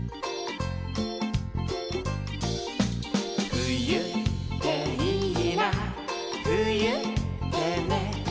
「ふゆっていいなふゆってね」